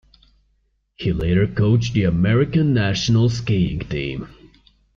He later coached the American national skiing team.